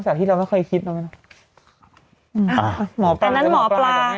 จากที่เราไม่เคยคิดเนาะหมอปลาอันนั้นหมอปลา